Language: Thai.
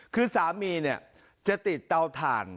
คือสามีจะติดเตาถ่าน